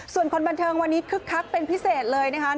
ส่วนคนบันเทิงวันนี้คึกคักเป็นพิเศษเลยนะคะ